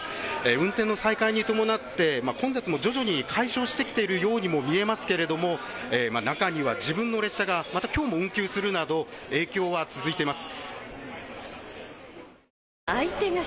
運転の再開に伴って混雑も徐々に解消してきているようにも見えますけれども中には自分の列車がまたきょうも運休するなど影響は続いています。